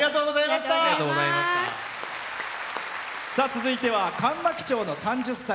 続いては上牧町の３０歳。